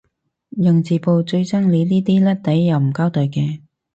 人事部最憎你呢啲甩底又唔交代嘅